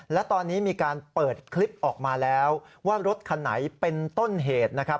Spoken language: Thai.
และตอนนี้มีการเปิดคลิปออกมาแล้วว่ารถคันไหนเป็นต้นเหตุนะครับ